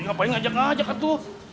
ngapain ngajak ngajak tuh